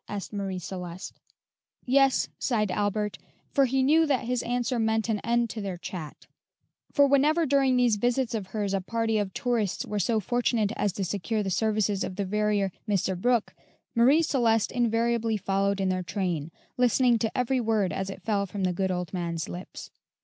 asked Marie Celeste. "Yes," sighed Albert; for he knew that his answer meant an end to their chat; for whenever during these visits of hers a party of tourists were so fortunate as to secure the services of the verier, Mr. Brooke, Marie Celeste invariably followed in their train, listening to every word as it fell from the good old man's lips.